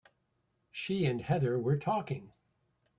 She and Heather were talking.